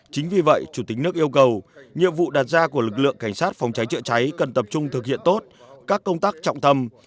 chính vì vậy chủ tịch nước yêu cầu nhiệm vụ đặt ra của lực lượng cảnh sát phòng cháy chữa cháy cần tập trung thực hiện tốt các công tác trọng tâm